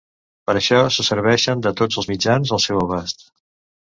Per a això se serveixen de tots els mitjans al seu abast.